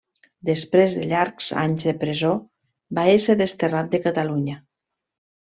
Després de llargs anys de presó, va ésser desterrat de Catalunya.